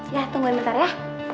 ya tungguin bentar ya